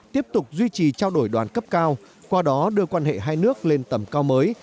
tiếp tục duy trì trao đổi đoàn cấp cao qua đó đưa quan hệ hai nước lên tầm cao mới